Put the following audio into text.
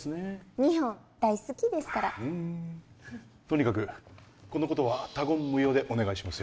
日本大好きですからとにかくこのことは他言無用でお願いしますよ